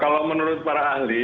kalau menurut para ahli